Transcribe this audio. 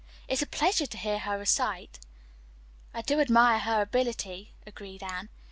It's a pleasure to hear her recite." "I do admire her ability," agreed Anne.